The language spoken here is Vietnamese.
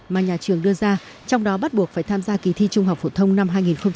mà nhà trường đưa ra trong đó bắt buộc phải tham gia kỳ thi trung học phổ thông năm hai nghìn hai mươi